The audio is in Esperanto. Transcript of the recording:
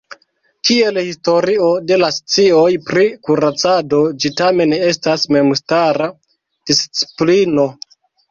Kiel historio de la scioj pri kuracado ĝi tamen estas memstara disciplino.